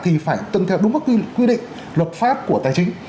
thì phải tuân theo đúng các quy định luật pháp của tài chính